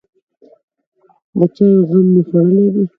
_د چايو غم مو خوړلی دی؟